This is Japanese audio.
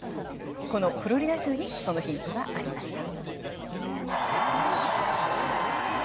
このフロリダ州にそのヒントがありました。